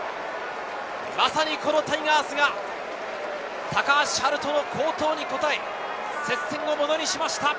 まさにタイガースが高橋遥人の好投に応え、接戦をものにしました。